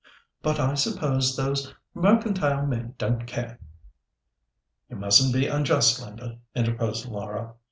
But I suppose those mercantile men don't care." "You mustn't be unjust, Linda," interposed Laura.